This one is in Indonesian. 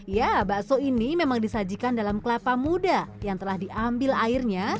ya bakso ini memang disajikan dalam kelapa muda yang telah diambil airnya